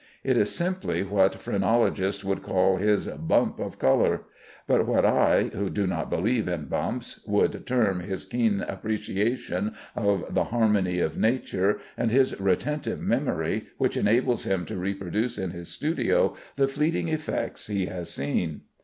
It is simply what phrenologists would call his bump of color, but what I (who do not believe in bumps) would term his keen appreciation of the harmony of nature, and his retentive memory which enables him to reproduce in his studio the fleeting effects he has seen.